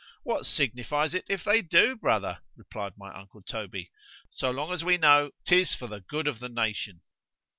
—What signifies it if they do, brother, replied my uncle Toby, so long as we know 'tis for the good of the nation?